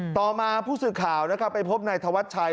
ต่อมาผู้สื่อข่าวไปพบนายทวัชชัย